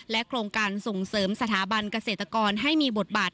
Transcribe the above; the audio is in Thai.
โครงการส่งเสริมสถาบันเกษตรกรให้มีบทบาท